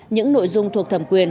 những nội dung thuộc thẩm quyền